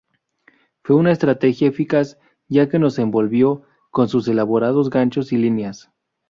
Fue una estrategia eficaz, ya que nos envolvió con sus elaborados ganchos y líneas".